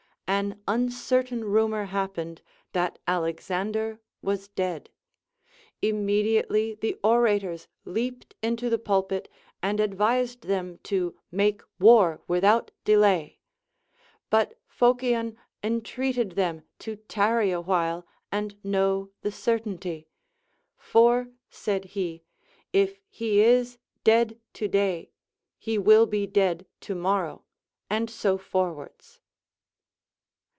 An uncertain AND GREAT COMMANDERS. 215 rumor happened, that Alexander Avas dead. Immediately the orators leaped into the pulpit, and advised them to make war without delay ; but Pliocion entreated tliem to tarry awhile and know the certainty : For, said he, if he is dead to day, he will be dead to morrow, and so forwards.